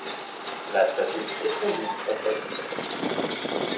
La statue est fondue en bronze.